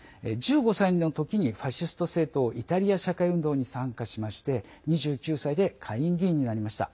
１５歳の時にファシスト政党イタリア社会運動に参加しまして２９歳で下院議員になりました。